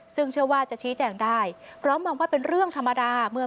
ซึ่งเชื่อว่าจะชี้แจงได้พร้อมมองว่าเป็นเรื่องธรรมดาเมื่อ